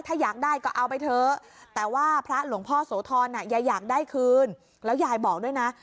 ถ้าอยากได้ก็เอาไปเถอะแต่ว่าพระหลวงพ่อโสธรยายอยากได้คืนแล้วยายบอกด้วยนะ